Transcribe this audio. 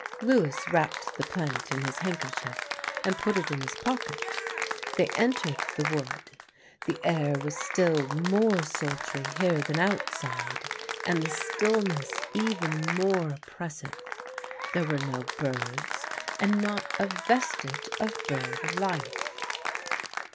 Lewis wrapped the plant in his handkerchief and put it in his pocket. They entered the wood. The air was still more sultry here than outside, and the stillness even more oppressive. There were no birds and not a vestige of bird life.